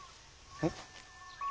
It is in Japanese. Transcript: えっ？